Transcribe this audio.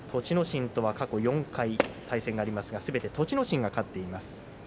心とは過去４回対戦がありますがすべて栃ノ心が勝っています。